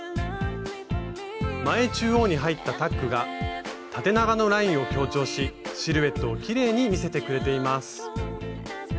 前中央に入ったタックが縦長のラインを強調しシルエットをきれいに見せてくれています。